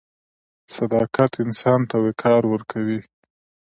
• صداقت انسان ته وقار ورکوي.